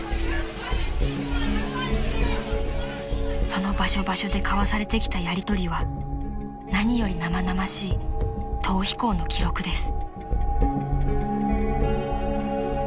［その場所場所で交わされてきたやりとりは何より生々しい逃避行の記録です］